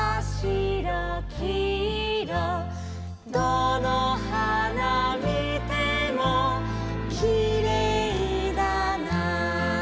「どの花見てもきれいだな」